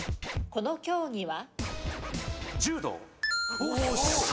この競技は？